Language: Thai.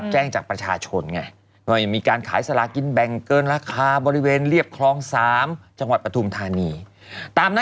แต่ว่าขายล็อตเตอรี่สลากินแบงก์เนี่ยเกินราคา